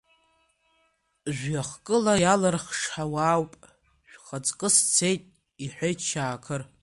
Жәҩа хкыла иалырхша уаауп, шәхаҵкы сцеит, — иҳәеит Шьаақьыр.